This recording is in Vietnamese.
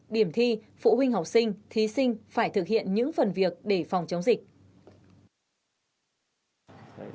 điểm thi phụ huynh học sinh thí sinh phải thực hiện những phần việc để phòng chống dịch